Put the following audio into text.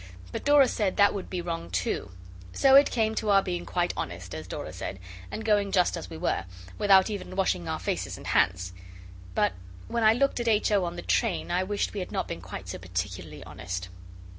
But Dora said that would be wrong too. So it came to our being quite honest, as Dora said, and going just as we were, without even washing our faces and hands; but when I looked at H. O. in the train I wished we had not been quite so particularly honest.